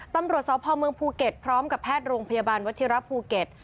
ตำรวจสพเมืองภูเก็ตพร้อมกับแพทย์โรงพยาบาลวัชิระภูเก็ต